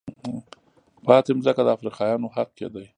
پاتې ځمکه د افریقایانو حق کېده.